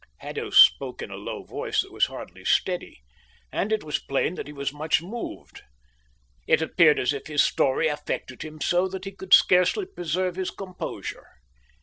Haddo spoke in a low voice that was hardly steady, and it was plain that he was much moved. It appeared as if his story affected him so that he could scarcely preserve his composure.